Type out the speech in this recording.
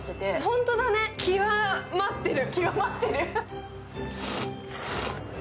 ほんとだね、極まってる！